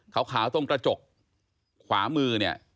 เขาขาวตรงตระจกขวามือ